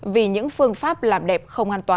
vì những phương pháp làm đẹp không hiệu quả